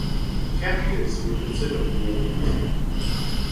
Captives were considered war booty.